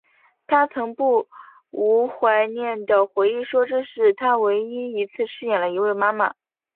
她曾不无怀念的回忆说这是她唯一一次饰演了一位妈妈。